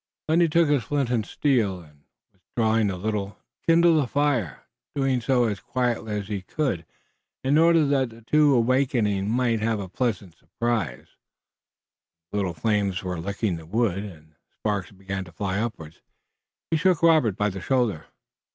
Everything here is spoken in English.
Then he took his flint and steel, and, withdrawing a little, kindled a fire, doing so as quietly as he could, in order that the two awaking might have a pleasant surprise. When the little flames were licking the wood, and the sparks began to fly upwards, he shook Robert by the shoulder.